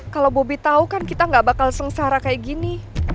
kalau bobi tahu kan kita gak bakal sengsara kayak gini